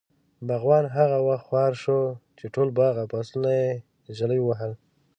باغوان هغه وخت خوار شو، چې ټول باغ او فصلونه ږلۍ ووهل.